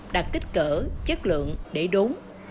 đạt kích cỡ chất lượng để đốn